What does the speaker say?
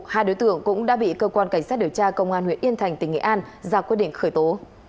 hai đối tượng cũng đã bị cơ quan cảnh sát điều tra công an huyện yên thành tỉnh nghệ an ra quyết định khởi tố